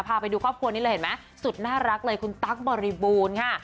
พาไปดูครอบครัวนี้เลยเห็นไหมสุดน่ารักเลยคุณตั๊กบริบูรณ์ค่ะ